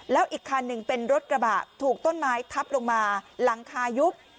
แล้วอีกคันหนึ่งเป็นรถกระบะถูกต้นไม้ทับลงมาหลังคายุบ